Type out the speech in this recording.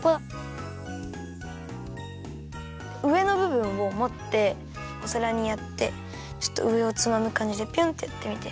うえのぶぶんをもっておさらにやってちょっとうえをつまむかんじでピョンってやってみて。